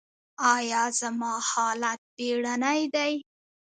ایا زما حالت بیړنی دی؟